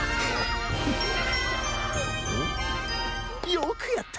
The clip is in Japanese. よくやった！